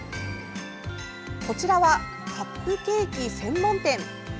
こちらは、カップケーキ専門店。